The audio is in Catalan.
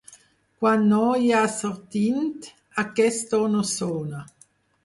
Quan no hi ha sortint, aquest to no sona.